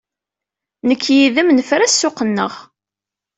Nekk yid-m nefra ssuq-nneɣ.